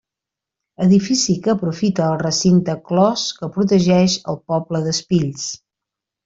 Edifici que aprofita el recinte clos que protegeix el poble d'Espills.